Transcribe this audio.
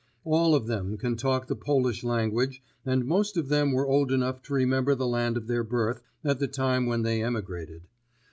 All of them can talk the Polish language and most of them were old enough to remember the land of their birth at the time when they emigrated.